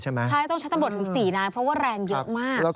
ใช่ต้องใช้ตำรวจถึง๔นายเพราะว่าแรงเยอะมาก